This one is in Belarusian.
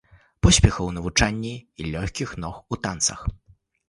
Поспехаў у навучанні і лёгкіх ног у танцах!